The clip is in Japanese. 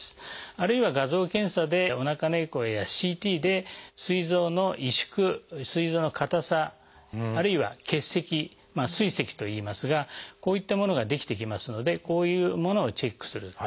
あるいは画像検査でおなかのエコーやＣＴですい臓の萎縮すい臓の硬さあるいは結石「すい石」といいますがこういったものが出来てきますのでこういうものをチェックする。